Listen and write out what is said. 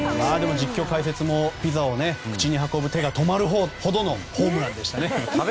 実況と解説もピザを口に運ぶ手が止まるほどのホームランでしたね。